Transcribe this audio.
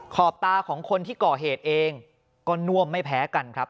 ขอบตาของคนที่ก่อเหตุเองก็น่วมไม่แพ้กันครับ